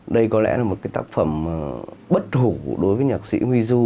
đây có lẽ là một cái tác phẩm bất hủ đối với nhạc sĩ huy du